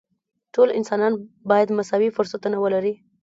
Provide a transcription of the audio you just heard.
ټول انسانان باید مساوي فرصتونه ولري.